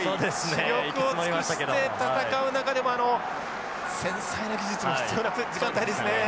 死力を尽くして戦う中でも繊細な技術も必要な時間帯ですね。